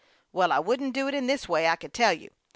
Well, I wouldn't do it in this way, I can tell you.